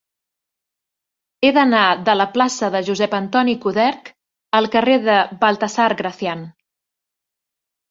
He d'anar de la plaça de Josep Antoni Coderch al carrer de Baltasar Gracián.